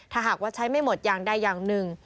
ถ้าหากว่าใช้ไม่หมดอย่างใดอย่างหนึ่ง